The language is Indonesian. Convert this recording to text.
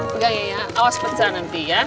enggak ya awas pecah nanti ya